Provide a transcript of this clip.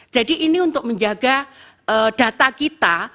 jadi ini untuk menjaga data kita